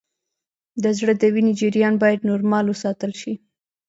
د زړه د وینې جریان باید نورمال وساتل شي